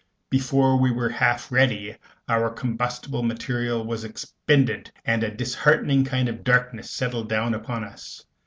Before we were half ready, our combustible material was expended, and a disheartening kind of darkness settled down upon us.